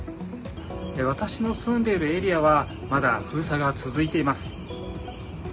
私の住んでいるエリアは、まだ封鎖が続いています。